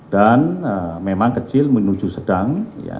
dan memang kecil menuju sedang